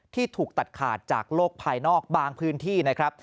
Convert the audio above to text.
ถูกตัดขาดจากโลกภายนอกบางพื้นที่นะครับ